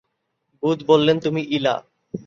বুধ বললেন, 'তুমি ইলা।